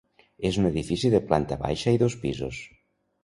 És un edifici de planta baixa i dos pisos.